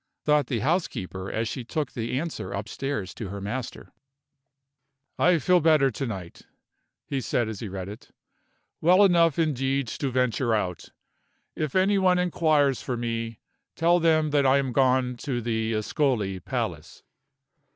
thought the housekeeper as she took the answer upstairs to her master. "I feel better to night," he said as he read it; "well enough indeed to venture out. If any one inquires for me, tell them that I am gone to the Ascoli Palace."